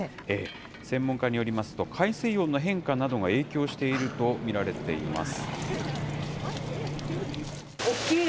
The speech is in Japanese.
専門家によりますと、海水温の変化などが影響していると見られています。